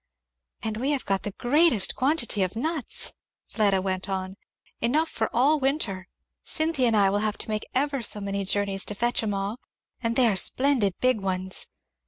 "And we have got the greatest quantity of nuts!" Fleda went on, "enough for all winter. Cynthy and I will have to make ever so many journeys to fetch 'em all; and they are splendid big ones.